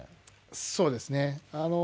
そうですね。